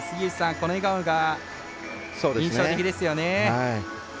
この笑顔が印象的ですよね。